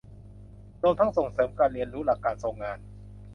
รวมทั้งส่งเสริมการเรียนรู้หลักการทรงงาน